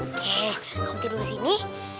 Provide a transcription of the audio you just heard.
oke kamu tidur di sini